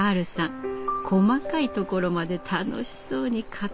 細かいところまで楽しそうに語る語る。